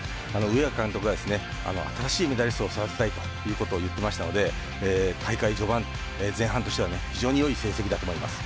上垣監督がですね新しいメダリストを育てたいということを言っていましたので大会序盤、前半としては非常によい成績だと思います。